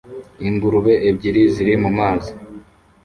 Ingurube ebyiri ziri mumazi